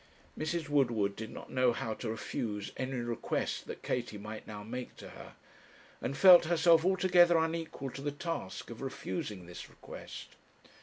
Mrs. Woodward did not know how to refuse any request that Katie might now make to her, and felt herself altogether unequal to the task of refusing this request.